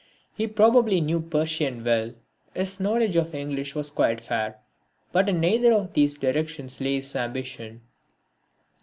He probably knew Persian well, his knowledge of English was quite fair, but in neither of these directions lay his ambition.